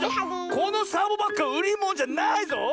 このサボバッグはうりものじゃないぞ！